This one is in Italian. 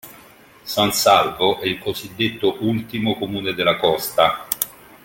San Salvo è il cosiddetto ultimo comune della costa.